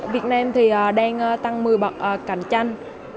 việt nam thì đang tăng một mươi bậc cạnh tranh